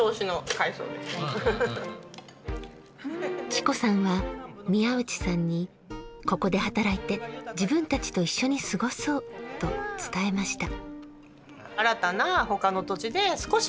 智子さんは、宮内さんにここで働いて自分たちと一緒に過ごそうと伝えました。